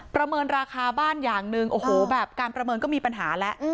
เมินราคาบ้านอย่างหนึ่งโอ้โหแบบการประเมินก็มีปัญหาแล้ว